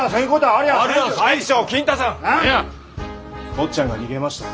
坊ちゃんが逃げました。